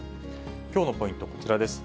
きょうのポイント、こちらです。